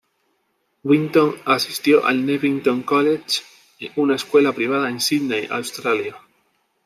Winton asistió al Newington College una escuela privada en Sídney, Australia.